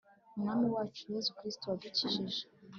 umwami wacu, yezu kristu wadukijije